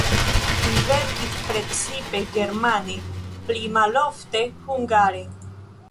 Li verkis precipe germane, pli malofte hungare.